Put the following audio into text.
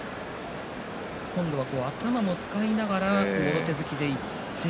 頭を使いながらもろ手突きでいって。